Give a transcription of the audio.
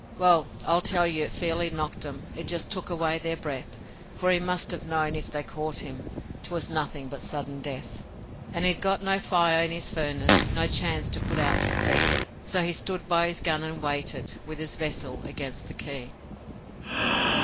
Well, I tell you it fairly knocked 'em it just took away their breath, For he must ha' known if they caught him, 'twas nothin' but sudden death. An' he'd got no fire in his furnace, no chance to put out to sea, So he stood by his gun and waited with his vessel against the quay.